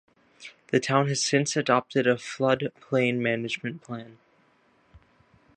The town has since adopted a flood plain management plan.